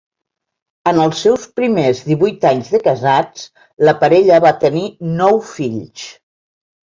En els seus primers divuit anys de casats, la parella va tenir nou fills.